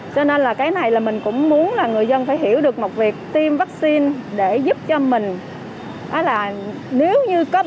cho nên là cái này là mình cũng muốn là người dân phải hiểu được một việc tiêm vaccine để giúp cho mình